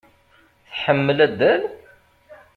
Tḥemmel addal?